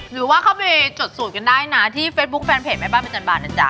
หรือว่าเข้าไปจดสูตรกันได้นะที่เฟซบุ๊คแฟนเพจแม่บ้านประจำบานนะจ๊